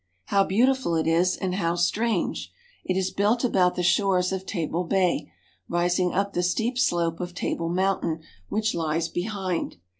How beautiful it is and how strange ! It is built about the shores of Table Bay, rising up the steep slope of Table Mountain which lies behind.